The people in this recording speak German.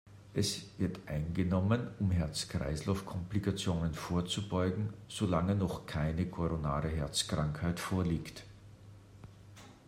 Es wird eingenommen, um Herz-Kreislauf-Komplikationen vorzubeugen, solange noch keine koronare Herzkrankheit vorliegt.